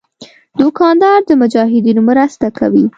دوکاندار د مجاهدینو مرسته کوي.